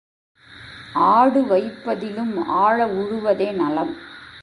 ஆடு வைப்பதிலும் ஆழ உழுவதே நலம்.